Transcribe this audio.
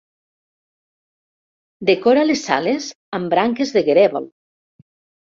Decora les sales amb branques de grèvol.